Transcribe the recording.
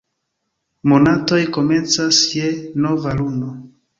Monatoj komencas je nova luno.